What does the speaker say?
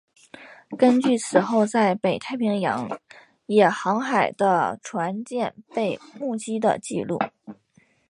根据此后在北太平洋也航海的船舰被目击的记录。